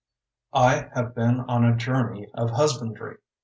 I have been on a journey of husbandry.